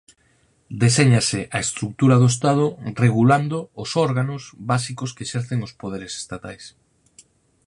Deséñase a estrutura do Estado regulando os órganos básicos que exercen os poderes estatais.